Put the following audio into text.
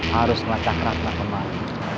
harus melacak rangka kemarin